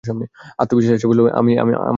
আত্মবিশ্বাস আছে আমার আমিই জিতব!